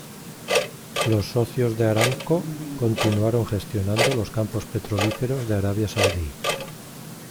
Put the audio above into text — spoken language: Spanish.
Los socios de Aramco continuaron gestionando los campos petrolíferos de Arabia Saudí.